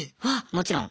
もちろん。